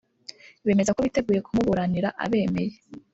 bemeza ko biteguye kumuburanira abemeye